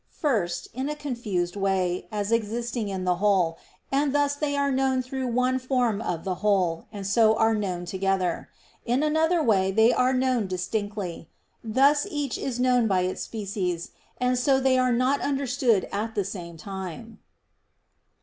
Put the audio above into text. First, in a confused way, as existing in the whole, and thus they are known through the one form of the whole, and so are known together. In another way they are known distinctly: thus each is known by its species; and so they are not understood at the same time.